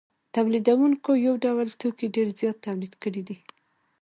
تولیدونکو یو ډول توکي ډېر زیات تولید کړي دي